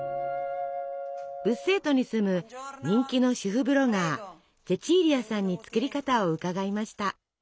ブッセートに住む人気の主婦ブロガーチェチーリアさんに作り方を伺いました。